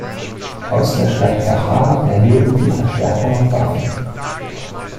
Aus der Stadt Vacha erhielten sie Verstärkung und Waffen.